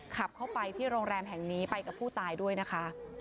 ขับเข้าไปที่โรงแรมแห่งนี้ไปกับผู้ตายด้วยนะคะ